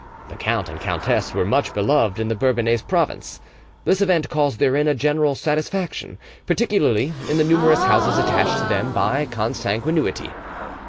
The count and countess were much beloved in the Bourbonnais province; this event caused therein a general satisfaction, particularly in the numerous houses attached to them by consanguinity.